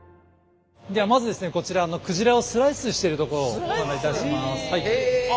ではまずですねこちらの鯨をスライスしているとこをご案内いたします。